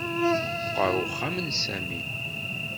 Meqqer uxxam n Sami